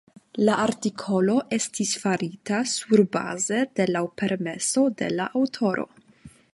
La artikolo estis farita surbaze de laŭ permeso de la aŭtoro.